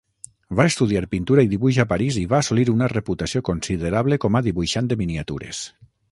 Va estudiar pintura i dibuix a París i va assolir una reputació considerable com a dibuixant de miniatures.